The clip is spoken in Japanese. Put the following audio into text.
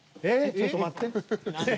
ちょっと待って。